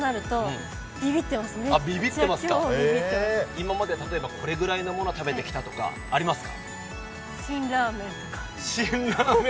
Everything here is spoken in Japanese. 今まで例えばこれぐらいのものを食べてきたとかありますか？